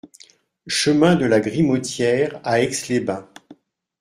Chemin de la Grimotière à Aix-les-Bains